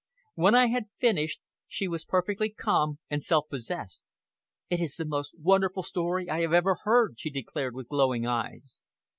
When I had finished, she was perfectly calm and self possessed. "It is the most wonderful story I have ever heard," she declared with glowing eyes.